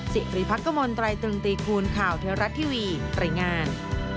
สิทธิพักกมลไตรตึงตีคูณข่าวเทวรัฐทีวีตรงงาน